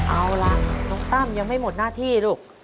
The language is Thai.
เอาล่ะน้องตั้มยังไม่หมดหน้าที่ลูก